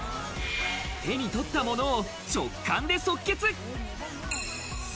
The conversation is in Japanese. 手に取ったものを直感で即決。